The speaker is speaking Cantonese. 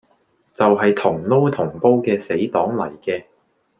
就係同撈同煲嘅死黨嚟嘅